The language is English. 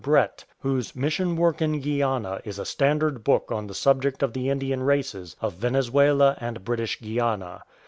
Brett, whose Mission Work in Guiana is a standard book on the subject of the Indian races of Venezuela and British Guiana.